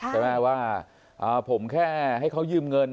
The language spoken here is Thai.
ใช่ไหมว่าผมแค่ให้เขายืมเงิน